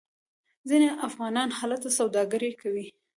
ځینې افغانان هلته سوداګري کوي.